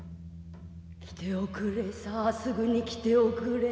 来ておくれさあすぐに来ておくれ。